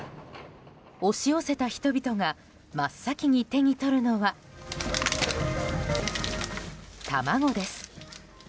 押し寄せた人々が真っ先に手に取るのは卵です。